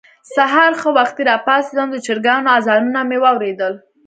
سهار ښه وختي راپاڅېدم، د چرګانو اذانونه مې واورېدل.